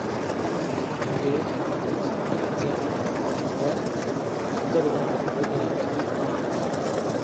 அங்கே சித்திரசேனன் என்ற கந்தருவன் இவர்களைச் சந்தித்தான்.